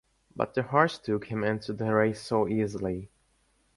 But the horse took him into the race so easily.